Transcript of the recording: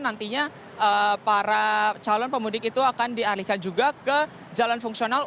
nantinya para calon pemudik itu akan dialihkan juga ke jalan fungsional